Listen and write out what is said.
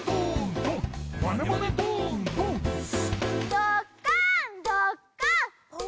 どっかんどっかん。